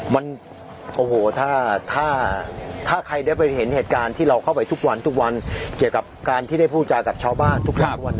มันโอ้โหถ้าใครได้ไปเห็นเหตุการณ์ที่เราเข้าไปทุกวันทุกวันเกี่ยวกับการที่ได้พูดจากับชาวบ้านทุกวัน